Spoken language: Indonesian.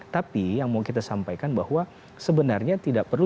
tapi yang mau kita sampaikan bahwa sebenarnya tidak perlu